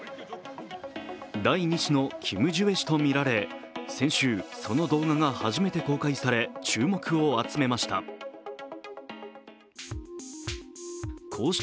第２子のキム・ジュエ氏とみられ先週、その動画が初めて公開され、注目を集めました。